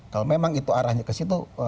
kalau memang itu arahnya kesitu